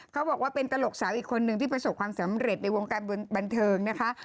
เขาบอกว่าเป็นตลกสาวอีกคนนึงที่ประสบความสำเร็จในวงการบันเทิงนะคะ